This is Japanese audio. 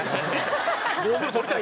ゴーグル取れない。